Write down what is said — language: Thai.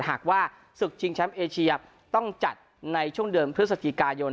หากว่าศึกชิงแชมป์เอเชียต้องจัดในช่วงเดือนพฤศจิกายน